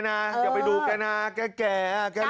อย่าไปดูกแกนะแก่แกลืม